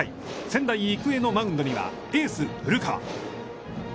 仙台育英のマウンドには、エース古川。